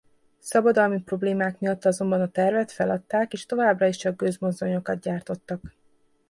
Szabadalmi problémák miatt azonban a tervet feladták és továbbra is csak gőzmozdonyokat gyártottak.